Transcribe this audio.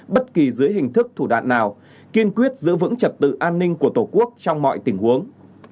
bất kỳ dưới hình thức thủ đoạn nào kiên quyết giữ vững trật tự an ninh của tổ quốc trong mọi tình huống